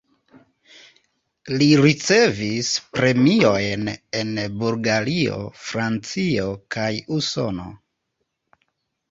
Li ricevis premiojn en Bulgario, Francio kaj Usono.